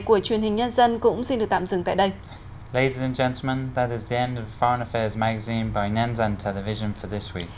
của truyền hình nhân dân cũng xin được tạm dừng tại đây